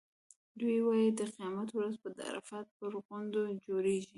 دوی وایي د قیامت ورځ به د عرفات پر غونډۍ جوړېږي.